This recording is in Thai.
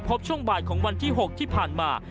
พบช่วงบ่ายของวันที่๖ที่ผ่านมา